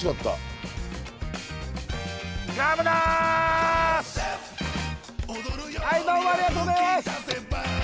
はいどうもありがとうございます。